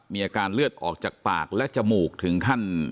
มีอาการเลือดออกจากปากและจมูกถึงขั้น